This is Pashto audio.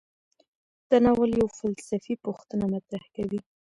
دا ناول یوه فلسفي پوښتنه مطرح کوي.